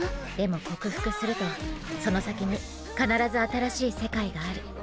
でも克服するとその先に必ず新しい世界がある。